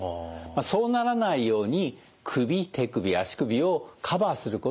そうならないように首手首足首をカバーすることが大切だと思うんです。